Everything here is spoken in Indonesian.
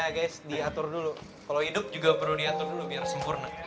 hai guys diatur dulu kalau hidup juga perlu diatur dulu biar sempurna